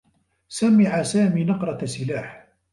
سمع سامي نقرة سلاح.